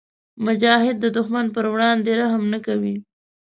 مجاهد د دښمن پر وړاندې رحم نه کوي.